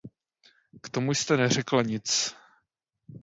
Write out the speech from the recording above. K tomu jste neřekla nic.